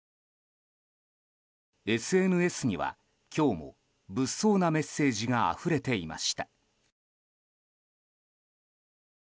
ＳＮＳには今日も物騒なメッセージがあふれていました。